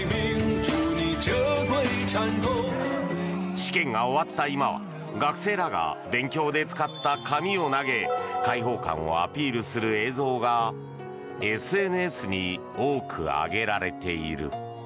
試験が終わった今は学生らが勉強で使った紙を投げ開放感をアピールする映像がＳＮＳに多く上げられている。